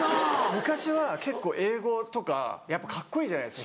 昔は結構英語とかやっぱカッコいいじゃないですか響きも。